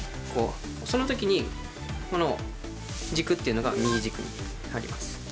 その時に軸というのが右になります。